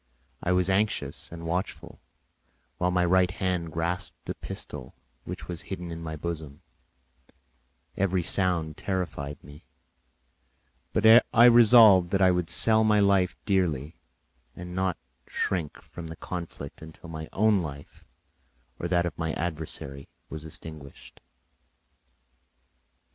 I was anxious and watchful, while my right hand grasped a pistol which was hidden in my bosom; every sound terrified me, but I resolved that I would sell my life dearly and not shrink from the conflict until my own life or that of my adversary was extinguished.